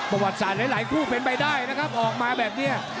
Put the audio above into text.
ประวัติศาสตร์หลายคู่เป็นไปได้นะครับออกมาแบบนี้